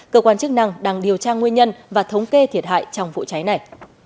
cơ quan chức năng đang điều tra nguyên nhân và thống kê thiệt hại trong vụ cháy này